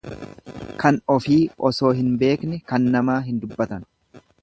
Kan ofii osoo hin beekne kan namaa hin dubbatan.